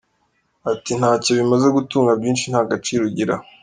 Ati: “Ntacyo bimaze gutunga byinshi nta gaciro ugira.